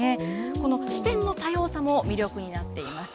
この視点の多様さも魅力になっています。